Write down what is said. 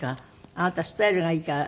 あなたスタイルがいいから。